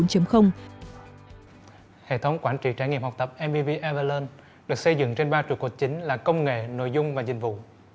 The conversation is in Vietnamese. hệ thống quản trị trải nghiệm học tập mvv evalon được xây dựng trên ba trụ cột chính là công nghệ nội dung và dịch vụ